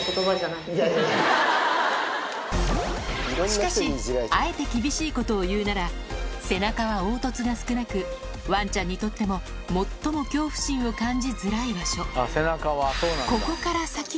しかしあえて厳しいことを言うなら背中は凹凸が少なくワンちゃんにとっても最も恐怖心を感じづらい場所はい。